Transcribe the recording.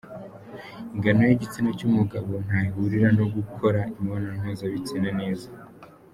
Ingano y’igitsina cy’umugabo ntaho ihurira no gukora imibonano mpuzabitsina neza